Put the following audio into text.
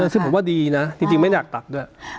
ซึ่งผมว่าดีนะจริงไม่อยากตัดด้วย